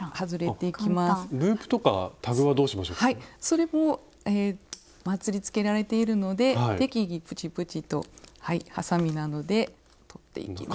それもまつりつけられているので適宜プチプチとはさみなどで取っていきます。